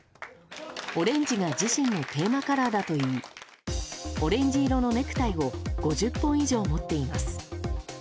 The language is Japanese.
オレンジが自身のテーマカラーだといいオレンジ色のネクタイを５０本以上持っています。